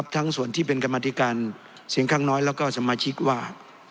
ทั้งส่วนที่เป็นกรรมธิการเสียงข้างน้อยแล้วก็สมาชิกว่า